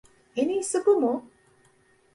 En iyisi bu mu?